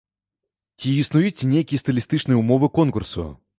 Ці існуюць нейкія стылістычныя ўмовы конкурсу?